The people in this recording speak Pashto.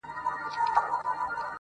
هر نسل يې يادوي بيا بيا،